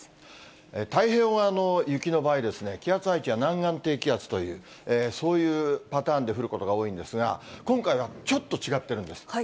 太平洋側の雪の場合、気圧配置は南岸低気圧という、そういうパターンで降ることが多いんですが、今回はちょっと違ってるんです。